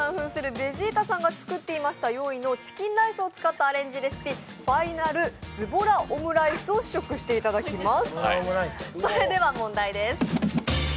ベジータさんの、４位のチキンライスを使ったアレンジレシピ、ファイナルずぼらオムライスを試食していただきます。